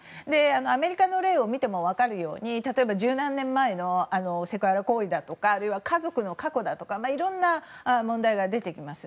アメリカの例を見ても分かるように例えば十何年前の行為とかあるいは家族の過去だとかいろんな問題が出てきます。